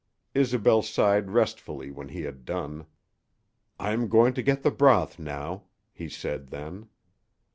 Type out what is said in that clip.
Isobel sighed restfully when he had done. "I am going to get the broth now," he said then.